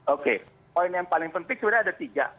oke poin yang paling penting sebenarnya ada tiga